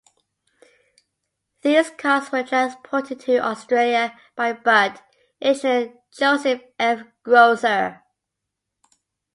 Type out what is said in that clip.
These cars were transported to Australia by Budd engineer Joseph F. Grosser.